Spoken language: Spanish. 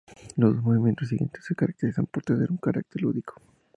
Los dos movimientos siguientes se caracterizan por tener un carácter lúdico.